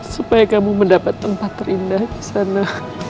supaya kamu mendapat tempat terindah disana